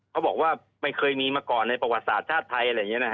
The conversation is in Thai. เขาบอกว่าไม่เคยมีมาก่อนในประวัติศาสตร์ชาติไทย